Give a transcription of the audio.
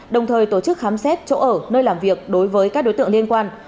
đồng thời tổ chức khám xét chỗ ở nơi làm việc đối với các đối tượng liên quan